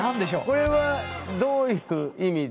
これはどういう意味での。